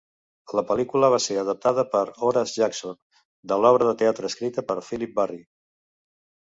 La pel·lícula va ser adaptada per Horace Jackson de l'obra de teatre escrita per Philip Barry.